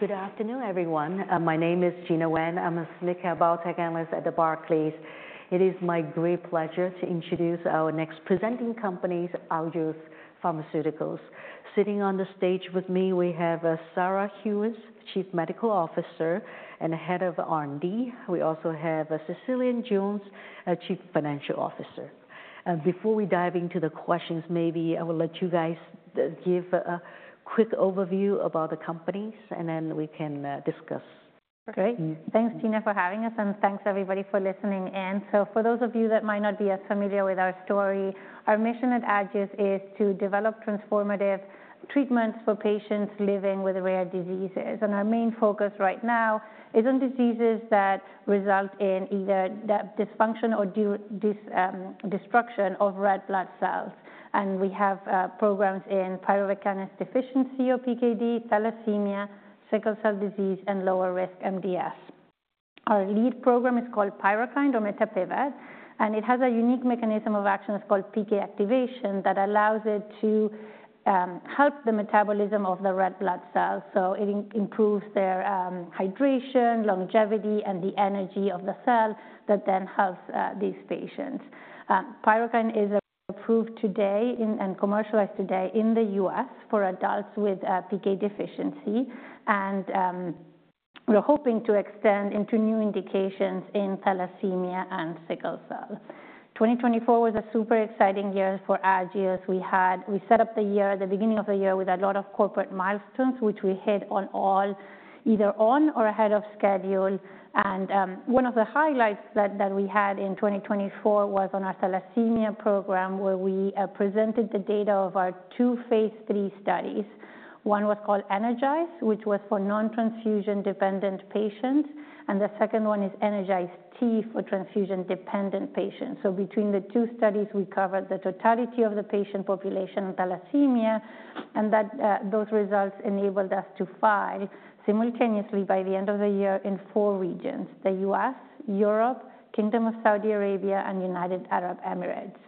Good afternoon, everyone. My name is Gena Wang. I'm a senior biotech analyst at Barclays. It is my great pleasure to introduce our next presenting company, Agios Pharmaceuticals. Sitting on the stage with me, we have Sarah Gheuens, Chief Medical Officer and Head of R&D. We also have Cecilia Jones, Chief Financial Officer. Before we dive into the questions, maybe I will let you guys give a quick overview about the company, and then we can discuss. Great. Thanks, Gena, for having us, and thanks, everybody, for listening. For those of you that might not be as familiar with our story, our mission at Agios is to develop transformative treatments for patients living with rare diseases. Our main focus right now is on diseases that result in either dysfunction or destruction of red blood cells. We have programs in pyruvate kinase deficiency, or PKD, thalassemia, sickle cell disease, and lower-risk MDS. Our lead program is called PYRUKYND, or mitapivat, and it has a unique mechanism of action that's called PK activation that allows it to help the metabolism of the red blood cells. It improves their hydration, longevity, and the energy of the cell that then helps these patients. PYRUKYND is approved today and commercialized today in the U.S. for adults with PK deficiency, and we're hoping to extend into new indications in thalassemia and sickle cell. 2024 was a super exciting year for Agios. We set up the year, the beginning of the year, with a lot of corporate milestones, which we hit on all, either on or ahead of schedule. One of the highlights that we had in 2024 was on our thalassemia program, where we presented the data of our two phase III studies. One was called ENERGIZE, which was for non-transfusion dependent patients, and the second one is ENERGIZE-T for transfusion dependent patients. Between the two studies, we covered the totality of the patient population in thalassemia, and those results enabled us to file simultaneously by the end of the year in four regions: the U.S., Europe, Kingdom of Saudi Arabia, and United Arab Emirates.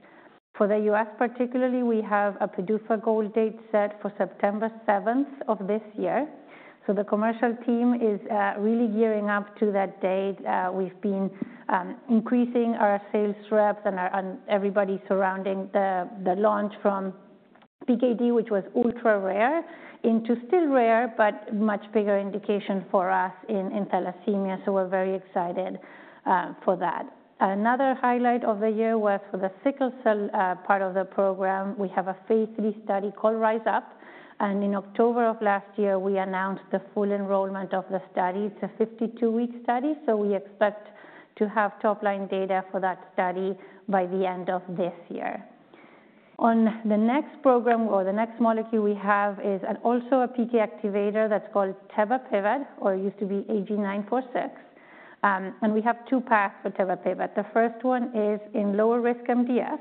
For the U.S., particularly, we have a PDUFA goal date set for September 7th of this year. The commercial team is really gearing up to that date. We've been increasing our sales reps and everybody surrounding the launch from PKD, which was ultra rare, into still rare, but much bigger indication for us in thalassemia. We're very excited for that. Another highlight of the year was for the sickle cell part of the program. We have a phase III study called RISE UP. In October of last year, we announced the full enrollment of the study. It's a 52-week study, so we expect to have top-line data for that study by the end of this year. The next program, or the next molecule we have, is also a PK activator that's called tebapivat, or it used to be AG-946. We have two paths for tebapivat. The first one is in lower-risk MDS.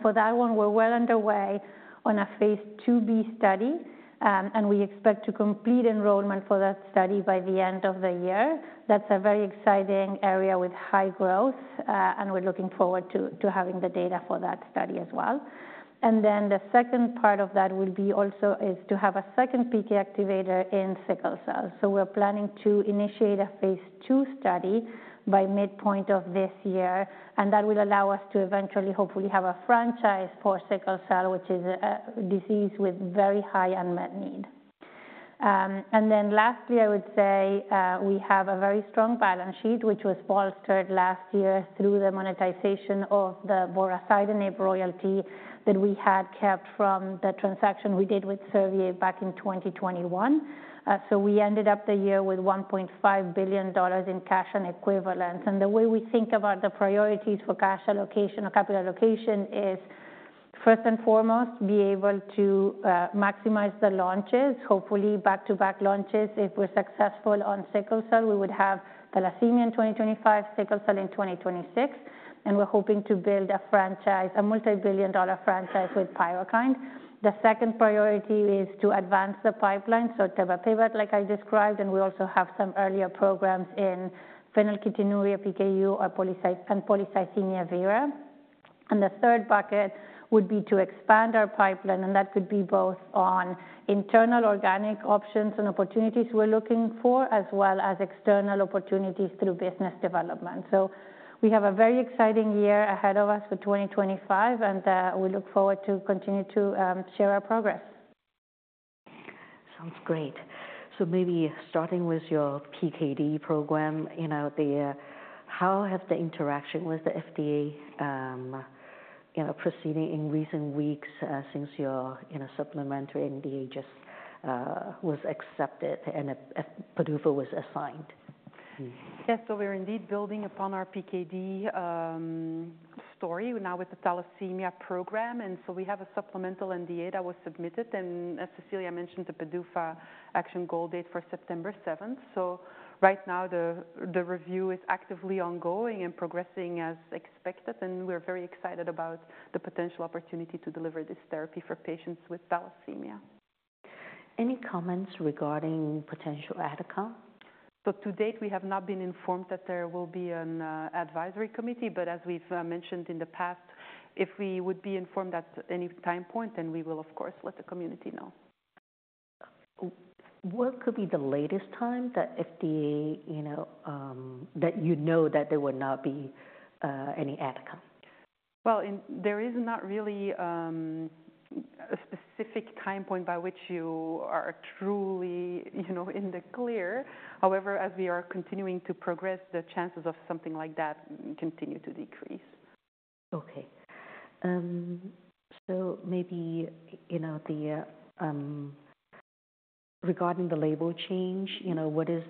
For that one, we're well underway on a phase IIB study, and we expect to complete enrollment for that study by the end of the year. That's a very exciting area with high growth, and we're looking forward to having the data for that study as well. The second part of that will be also to have a second PK activator in sickle cell. We're planning to initiate a phase II study by midpoint of this year, and that will allow us to eventually, hopefully, have a franchise for sickle cell, which is a disease with very high unmet need. Lastly, I would say we have a very strong balance sheet, which was bolstered last year through the monetization of the vorasidenib royalty that we had kept from the transaction we did with Servier back in 2021. We ended up the year with $1.5 billion in cash and equivalents. The way we think about the priorities for cash allocation or capital allocation is, first and foremost, be able to maximize the launches, hopefully back-to-back launches. If we're successful on sickle cell, we would have thalassemia in 2025, sickle cell in 2026, and we're hoping to build a multi-billion dollar franchise with PYRUKYND. The second priority is to advance the pipeline. Tebapivat, like I described, and we also have some earlier programs in phenylketonuria, PKU, and polycythemia vera. The third bucket would be to expand our pipeline, and that could be both on internal organic options and opportunities we're looking for, as well as external opportunities through business development. We have a very exciting year ahead of us for 2025, and we look forward to continue to share our progress. Sounds great. Maybe starting with your PKD program, how has the interaction with the FDA proceeded in recent weeks since your supplementary NDA just was accepted and PDUFA was assigned? Yes, we are indeed building upon our PKD story now with the thalassemia program. We have a supplemental NDA that was submitted, and as Cecilia mentioned, the PDUFA action goal date is September 7th. Right now, the review is actively ongoing and progressing as expected, and we are very excited about the potential opportunity to deliver this therapy for patients with thalassemia. Any comments regarding potential outcome? To date, we have not been informed that there will be an advisory committee, but as we've mentioned in the past, if we would be informed at any time point, then we will, of course, let the community know. What could be the latest time that you know that there will not be any outcome? There is not really a specific time point by which you are truly in the clear. However, as we are continuing to progress, the chances of something like that continue to decrease. Okay. Maybe regarding the label change, what is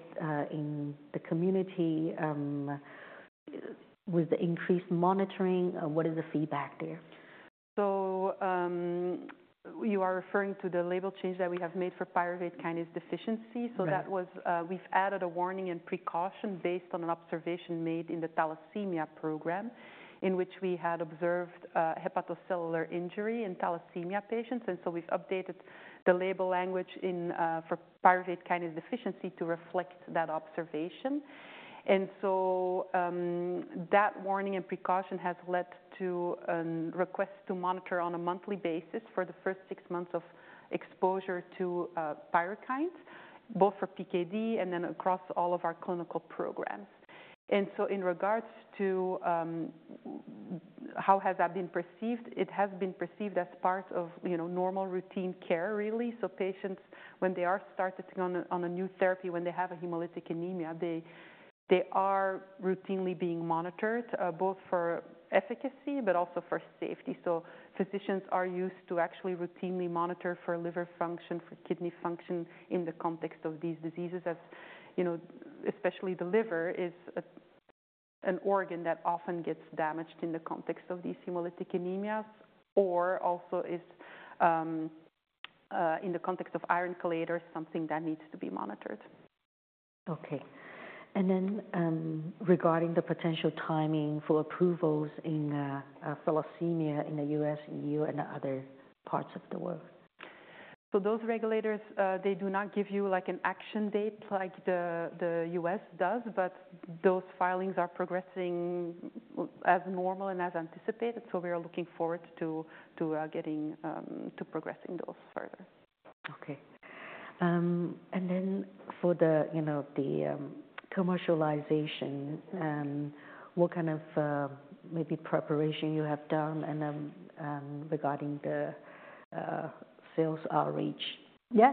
in the community with the increased monitoring, what is the feedback there? You are referring to the label change that we have made for pyruvate kinase deficiency. We have added a warning and precaution based on an observation made in the thalassemia program, in which we had observed hepatocellular injury in thalassemia patients. We have updated the label language for pyruvate kinase deficiency to reflect that observation. That warning and precaution has led to a request to monitor on a monthly basis for the first six months of exposure to PYRUKYND, both for PKD and then across all of our clinical programs. In regards to how that has been perceived, it has been perceived as part of normal routine care, really. Patients, when they are started on a new therapy, when they have a hemolytic anemia, are routinely being monitored, both for efficacy, but also for safety. Physicians are used to actually routinely monitor for liver function, for kidney function in the context of these diseases, especially the liver is an organ that often gets damaged in the context of these hemolytic anemias, or also is in the context of iron chelators, something that needs to be monitored. Okay. Regarding the potential timing for approvals in thalassemia in the U.S., EU, and other parts of the world. Those regulators, they do not give you an action date like the U.S. does, but those filings are progressing as normal and as anticipated. We are looking forward to progressing those further. Okay. For the commercialization, what kind of maybe preparation you have done regarding the sales outreach? Yeah.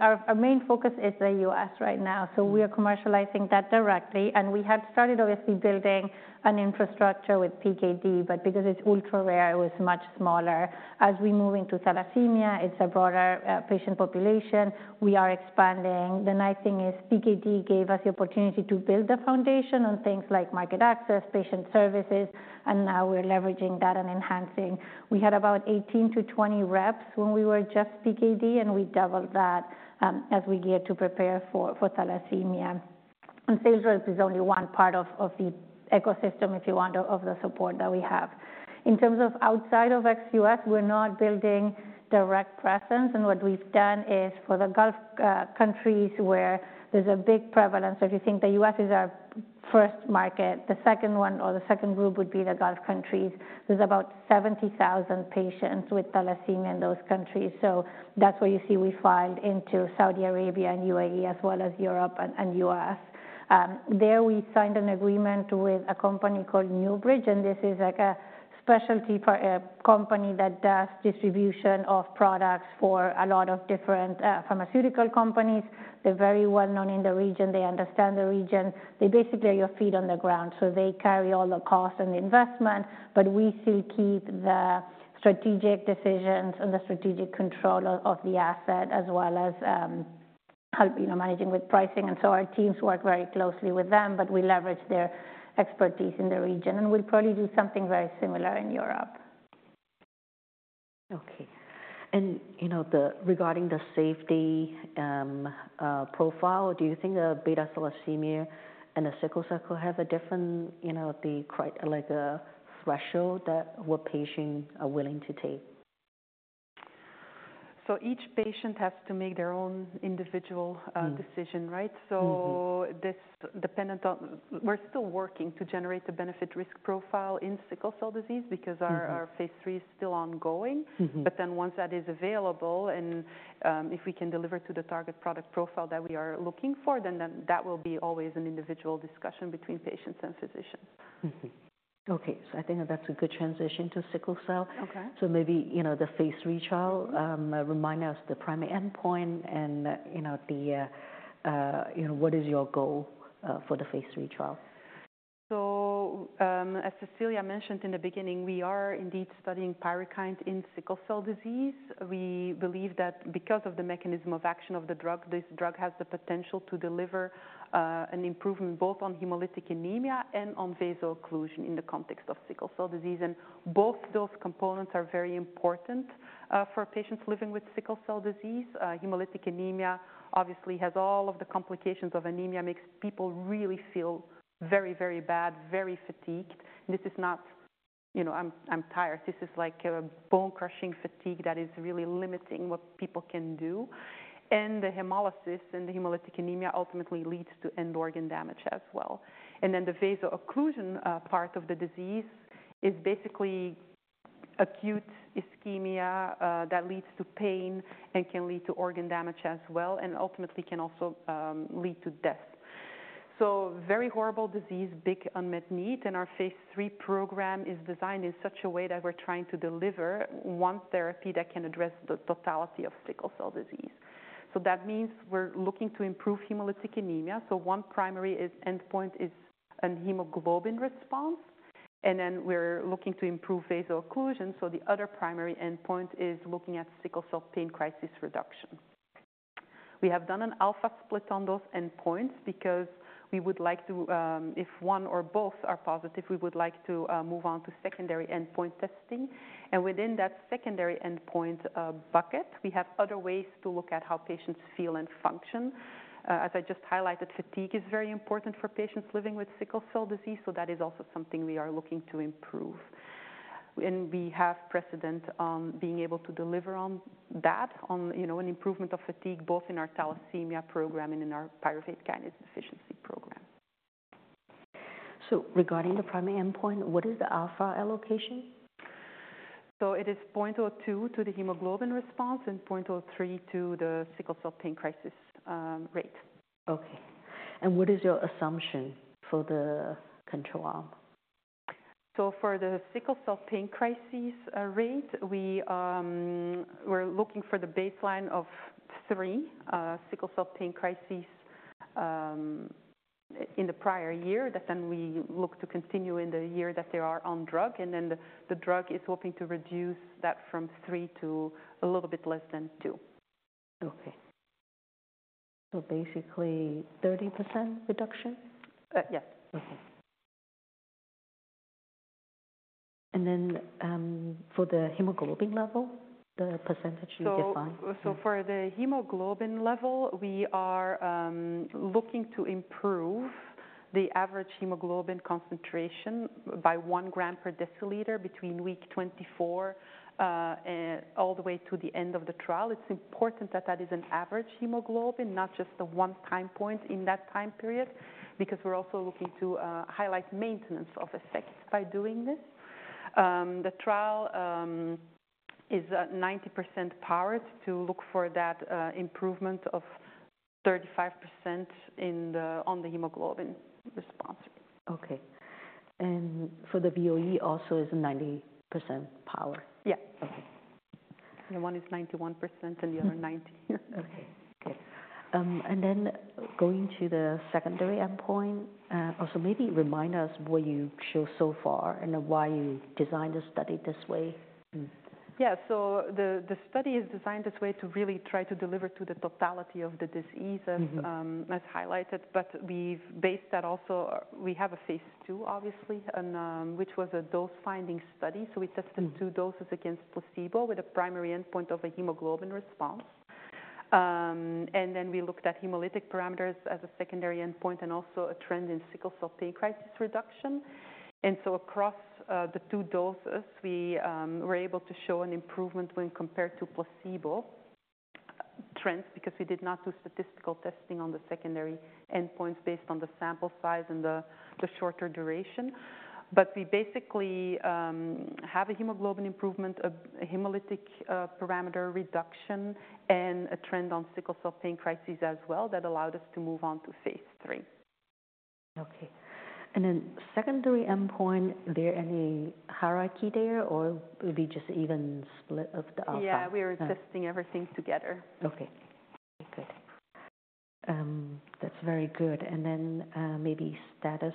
Our main focus is the U.S. right now. We are commercializing that directly. We had started, obviously, building an infrastructure with PKD, but because it's ultra rare, it was much smaller. As we move into thalassemia, it's a broader patient population. We are expanding. The nice thing is PKD gave us the opportunity to build the foundation on things like market access, patient services, and now we're leveraging that and enhancing. We had about 18-20 reps when we were just PKD, and we doubled that as we geared to prepare for thalassemia. Sales reps is only one part of the ecosystem, if you want, of the support that we have. In terms of outside of ex-U.S., we're not building direct presence. What we've done is for the Gulf countries where there's a big prevalence. If you think the U.S. is our first market, the second one or the second group would be the Gulf countries. There are about 70,000 patients with thalassemia in those countries. That is where you see we filed into Saudi Arabia and United Arab Emirates, as well as Europe and U.S. There we signed an agreement with a company called NewBridge, and this is a specialty company that does distribution of products for a lot of different pharmaceutical companies. They are very well known in the region. They understand the region. They basically are your feet on the ground. They carry all the costs and the investment, but we still keep the strategic decisions and the strategic control of the asset, as well as managing with pricing. Our teams work very closely with them, but we leverage their expertise in the region, and we'll probably do something very similar in Europe. Okay. Regarding the safety profile, do you think beta thalassemia and the sickle cell have a different threshold that what patients are willing to take? Each patient has to make their own individual decision, right? We are still working to generate the benefit-risk profile in sickle cell disease because our phase III is still ongoing. Once that is available and if we can deliver to the target product profile that we are looking for, that will always be an individual discussion between patients and physicians. Okay. I think that's a good transition to sickle cell. Maybe the phase III trial, remind us the primary endpoint and what is your goal for the phase III trial? As Cecilia mentioned in the beginning, we are indeed studying PYRUKYND in sickle cell disease. We believe that because of the mechanism of action of the drug, this drug has the potential to deliver an improvement both on hemolytic anemia and on vaso-occlusion in the context of sickle cell disease. Both those components are very important for patients living with sickle cell disease. Hemolytic anemia, obviously, has all of the complications of anemia, makes people really feel very, very bad, very fatigued. This is not, "I'm tired." This is like a bone-crushing fatigue that is really limiting what people can do. The hemolysis and the hemolytic anemia ultimately leads to end-organ damage as well. The vaso-occlusion part of the disease is basically acute ischemia that leads to pain and can lead to organ damage as well, and ultimately can also lead to death. Very horrible disease, big unmet need. Our phase III program is designed in such a way that we're trying to deliver one therapy that can address the totality of sickle cell disease. That means we're looking to improve hemolytic anemia. One primary endpoint is a hemoglobin response, and then we're looking to improve vaso-occlusion. The other primary endpoint is looking at sickle cell pain crisis reduction. We have done an alpha split on those endpoints because we would like to, if one or both are positive, move on to secondary endpoint testing. Within that secondary endpoint bucket, we have other ways to look at how patients feel and function. As I just highlighted, fatigue is very important for patients living with sickle cell disease, so that is also something we are looking to improve. We have precedent on being able to deliver on that, on an improvement of fatigue, both in our thalassemia program and in our pyruvate kinase deficiency program. Regarding the primary endpoint, what is the alpha allocation? It is 0.02 to the hemoglobin response and 0.03 to the sickle cell pain crisis rate. Okay. What is your assumption for the control arm? For the sickle cell pain crisis rate, we're looking for the baseline of three sickle cell pain crises in the prior year that then we look to continue in the year that they are on drug, and then the drug is hoping to reduce that from three to a little bit less than two. Okay. So basically 30% reduction? Yes. Okay. For the hemoglobin level, the percentage you define? For the hemoglobin level, we are looking to improve the average hemoglobin concentration by 1 g per dl between week 24 all the way to the end of the trial. It's important that that is an average hemoglobin, not just a one-time point in that time period, because we're also looking to highlight maintenance of effect by doing this. The trial is 90% powered to look for that improvement of 35% on the hemoglobin response. Okay. For the VOE also, is 90% power? Yeah. One is 91% and the other 90%. Okay. Going to the secondary endpoint, also maybe remind us what you've shown so far and why you designed the study this way. Yeah. The study is designed this way to really try to deliver to the totality of the disease as highlighted, but we've based that also we have a phase II, obviously, which was a dose-finding study. We tested two doses against placebo with a primary endpoint of a hemoglobin response. We looked at hemolytic parameters as a secondary endpoint and also a trend in sickle cell pain crisis reduction. Across the two doses, we were able to show an improvement when compared to placebo trends because we did not do statistical testing on the secondary endpoints based on the sample size and the shorter duration. We basically have a hemoglobin improvement, a hemolytic parameter reduction, and a trend on sickle cell pain crises as well that allowed us to move on to phase III. Okay. And then secondary endpoint, is there any hierarchy there or are we just even split of the alpha? Yeah, we're testing everything together. Okay. That's very good. Maybe status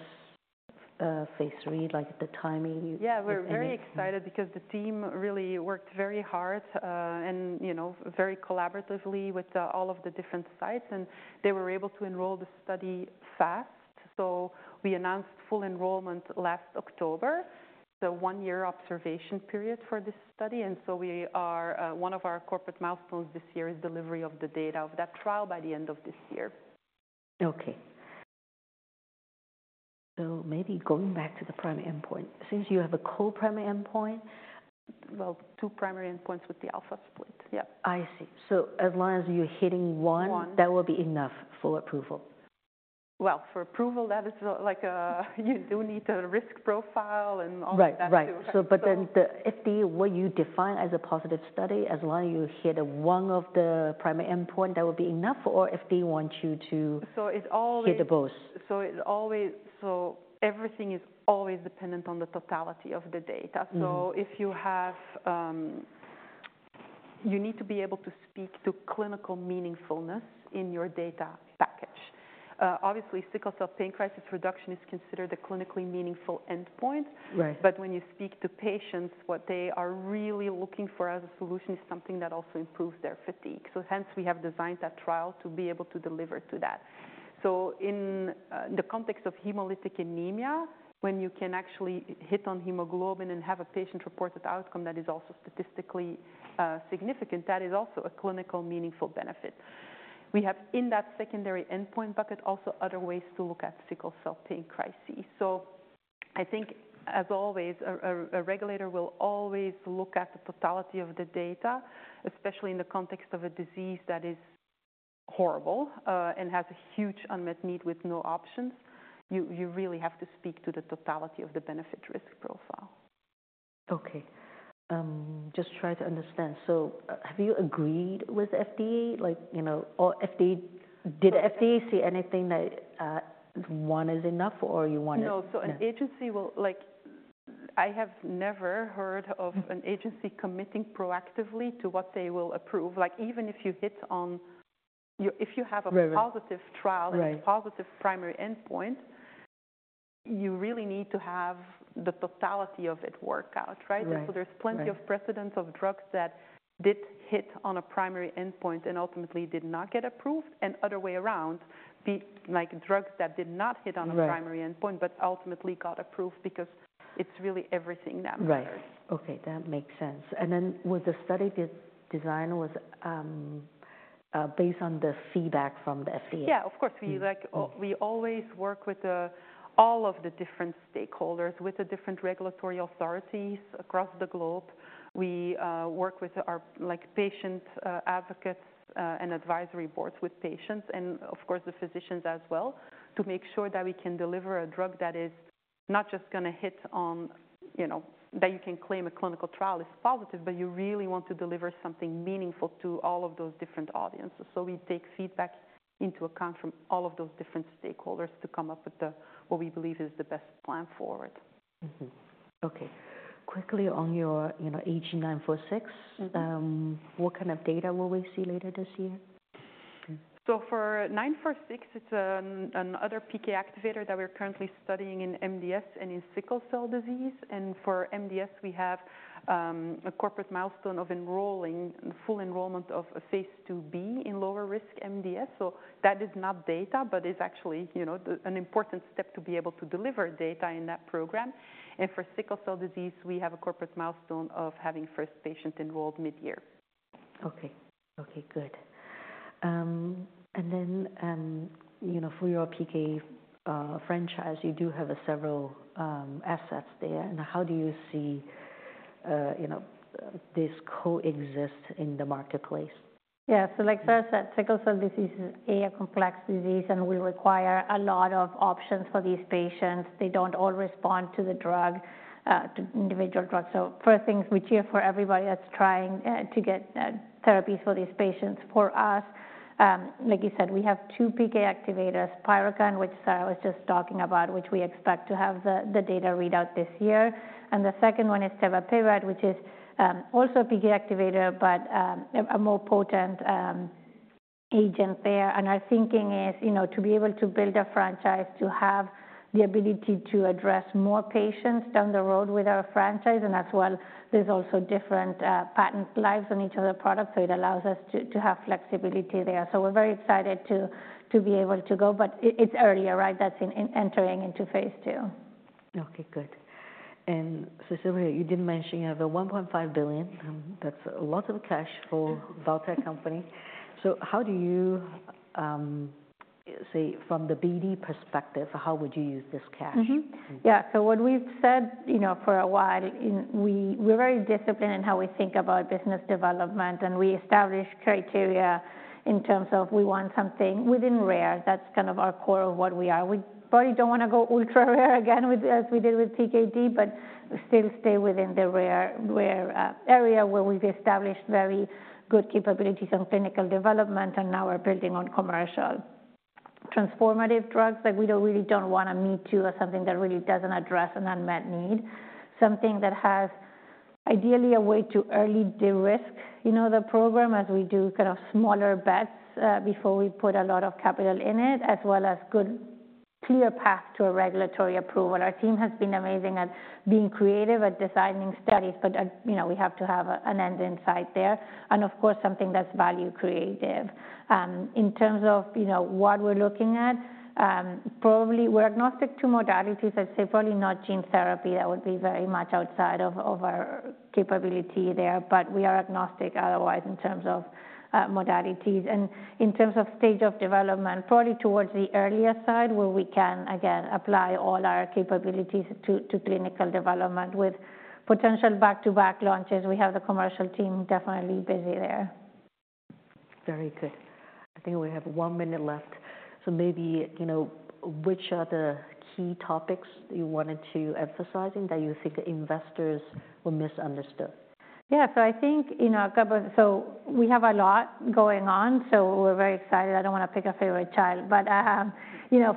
phase III, like the timing. Yeah, we're very excited because the team really worked very hard and very collaboratively with all of the different sites, and they were able to enroll the study fast. We announced full enrollment last October, so one-year observation period for this study. One of our corporate milestones this year is delivery of the data of that trial by the end of this year. Okay. Maybe going back to the primary endpoint, since you have a co-primary endpoint. Two primary endpoints with the alpha split. Yeah. I see. As long as you're hitting one, that will be enough for approval? For approval, that is like you do need the risk profile and all of that too. Right. If what you define as a positive study, as long as you hit one of the primary endpoints, that would be enough, or if they want you to hit both? Everything is always dependent on the totality of the data. You need to be able to speak to clinical meaningfulness in your data package. Obviously, sickle cell pain crisis reduction is considered a clinically meaningful endpoint, but when you speak to patients, what they are really looking for as a solution is something that also improves their fatigue. Hence, we have designed that trial to be able to deliver to that. In the context of hemolytic anemia, when you can actually hit on hemoglobin and have a patient report that outcome that is also statistically significant, that is also a clinical meaningful benefit. We have in that secondary endpoint bucket also other ways to look at sickle cell pain crises. I think, as always, a regulator will always look at the totality of the data, especially in the context of a disease that is horrible and has a huge unmet need with no options. You really have to speak to the totality of the benefit-risk profile. Okay. Just try to understand. Have you agreed with FDA? Did FDA say anything that one is enough or you wanted? No. An agency will, I have never heard of an agency committing proactively to what they will approve. Even if you hit on, if you have a positive trial and a positive primary endpoint, you really need to have the totality of it work out, right? There are plenty of precedents of drugs that did hit on a primary endpoint and ultimately did not get approved, and the other way around, drugs that did not hit on a primary endpoint but ultimately got approved because it is really everything that matters. Right. Okay. That makes sense. Was the study designed based on the feedback from the FDA? Yeah, of course. We always work with all of the different stakeholders, with the different regulatory authorities across the globe. We work with our patient advocates and advisory boards with patients and, of course, the physicians as well to make sure that we can deliver a drug that is not just going to hit on that you can claim a clinical trial is positive, but you really want to deliver something meaningful to all of those different audiences. We take feedback into account from all of those different stakeholders to come up with what we believe is the best plan forward. Okay. Quickly on your AG-946, what kind of data will we see later this year? For 946, it's another PK activator that we're currently studying in MDS and in sickle cell disease. For MDS, we have a corporate milestone of enrolling, full enrollment of a phase II-B in lower-risk MDS. That is not data, but it's actually an important step to be able to deliver data in that program. For sickle cell disease, we have a corporate milestone of having first patient enrolled mid-year. Okay. Okay. Good. For your PK franchise, you do have several assets there. How do you see this coexist in the marketplace? Yeah. Like first, sickle cell disease is a complex disease and will require a lot of options for these patients. They do not all respond to the drug, to individual drugs. First things, we cheer for everybody that is trying to get therapies for these patients. For us, like you said, we have two PK activators, PYRUKYND, which Sarah was just talking about, which we expect to have the data readout this year. The second one is tebapivat, which is also a PK activator, but a more potent agent there. Our thinking is to be able to build a franchise to have the ability to address more patients down the road with our franchise. As well, there are also different patent lives on each of our products, so it allows us to have flexibility there. We are very excited to be able to go, but it is earlier, right? That's entering into phase II. Okay. Good. Cecilia, you did mention you have $1.5 billion. That's a lot of cash for a biotech company. How do you say, from the BD perspective, how would you use this cash? Yeah. What we've said for a while, we're very disciplined in how we think about business development, and we establish criteria in terms of we want something within rare. That's kind of our core of what we are. We probably don't want to go ultra rare again as we did with PKD, but still stay within the rare area where we've established very good capabilities on clinical development, and now we're building on commercial transformative drugs that we really don't want to meet to or something that really doesn't address an unmet need. Something that has ideally a way to early de-risk the program as we do kind of smaller bets before we put a lot of capital in it, as well as good clear path to a regulatory approval. Our team has been amazing at being creative at designing studies, but we have to have an end in sight there. Of course, something that's value creative. In terms of what we're looking at, probably we're agnostic to modalities. I'd say probably not gene therapy. That would be very much outside of our capability there, but we are agnostic otherwise in terms of modalities. In terms of stage of development, probably towards the earlier side where we can, again, apply all our capabilities to clinical development with potential back-to-back launches. We have the commercial team definitely busy there. Very good. I think we have one minute left. Maybe which are the key topics you wanted to emphasize that you think investors will misunderstand? Yeah. I think we have a lot going on, so we're very excited. I don't want to pick a favorite child, but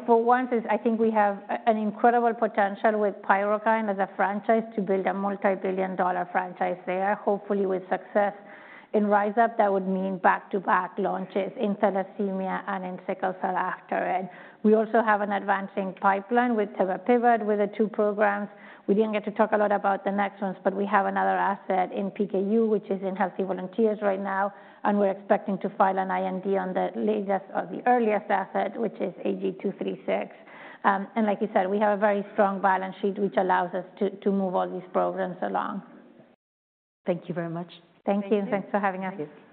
for one, I think we have an incredible potential with PYRUKYND as a franchise to build a multi-billion dollar franchise there, hopefully with success in RISE UP. That would mean back-to-back launches in thalassemia and in sickle cell after it. We also have an advancing pipeline with tebapivat, with the two programs. We didn't get to talk a lot about the next ones, but we have another asset in PKU, which is in healthy volunteers right now, and we're expecting to file an IND on the earliest asset, which is AG-236. Like you said, we have a very strong balance sheet, which allows us to move all these programs along. Thank you very much. Thank you. Thanks for having us. Thank you.